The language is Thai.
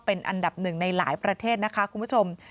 เป็นอันดับหนึ่งในหลายประเทศนะคะคุณผู้ชม